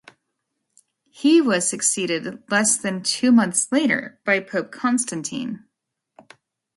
He was succeeded less than two months later by Pope Constantine.